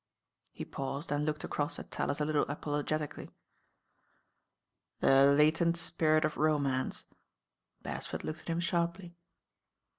He paused and looked across at Tallis a little apologetically. "The latent spirit of romance." Beresford looked at him sharply.